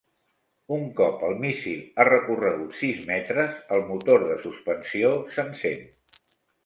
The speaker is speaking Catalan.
Un cop el míssil ha recorregut sis metres, el motor de suspensió s'encén.